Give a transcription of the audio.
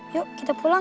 yuk kita pulang